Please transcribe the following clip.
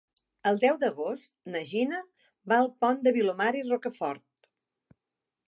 El deu d'agost na Gina va al Pont de Vilomara i Rocafort.